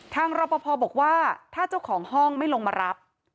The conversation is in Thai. รอปภบอกว่าถ้าเจ้าของห้องไม่ลงมารับ